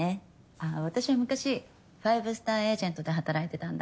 あっ私は昔ファイブスターエージェントで働いてたんだ。